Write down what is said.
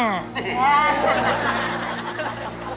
ยาก